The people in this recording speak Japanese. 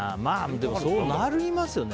でも、そうなりますよね。